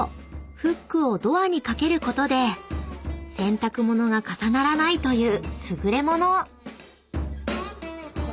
フックをドアに掛けることで洗濯物が重ならないという優れ物］